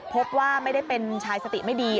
พบว่าไม่ได้เป็นชายสติไม่ดี